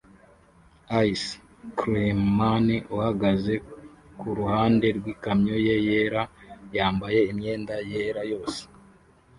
Ice cream man uhagaze kuruhande rwikamyo ye yera yambaye imyenda yera yose